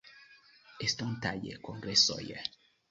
Estontaj Kongresoj.